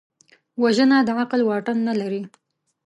وژنه د عقل واټن نه لري